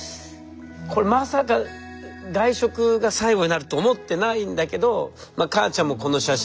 これまさか外食が最後になると思ってないんだけど母ちゃんもこの写真